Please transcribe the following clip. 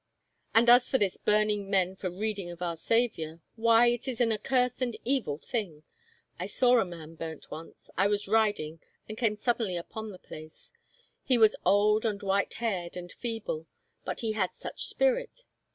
And as for this burning men for read ing of our Saviour, why it is an accursed and evil thing. I saw a man burnt once — I was riding and came sud denly upon the place. He was old and white haired and feeble, but he had such spirit